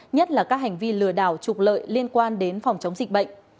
nhất là các hành vi lừa đảo trục lợi liên quan đến phòng chống dịch bệnh